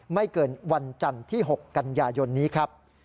ไม่เกินวันจันทร์ที่๖กันยายนนี้ครับ